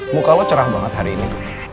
muka lo cerah banget hari ini